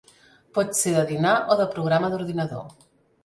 Pot ser de dinar o de programa d'ordinador.